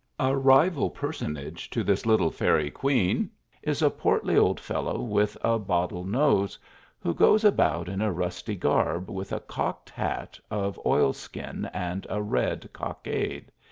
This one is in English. A rival personage to this little fairy queen is a portly old fellow with a bottle nose, who goes about in a rusty garb, with a cocked hat of oil skin and a red cockade.